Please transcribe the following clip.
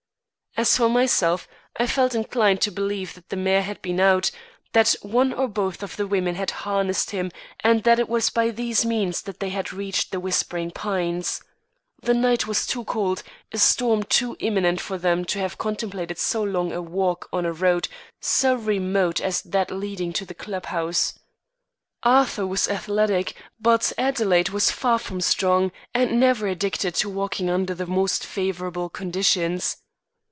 As for myself, I felt inclined to believe that the mare had been out, that one or both of the women had harnessed him and that it was by these means they had reached The Whispering Pines. The night was too cold, a storm too imminent, for them to have contemplated so long a walk on a road so remote as that leading to the club house. Arthur was athletic but Adelaide was far from strong and never addicted to walking under the most favourable conditions.